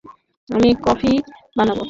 আমি কফি বানাবো।